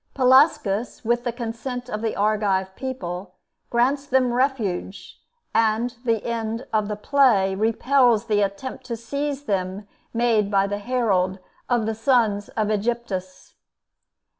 Pelasgus, with the consent of the Argive people, grants them refuge, and at the end of the play repels the attempt to seize them made by the Herald of the sons of Aegyptus.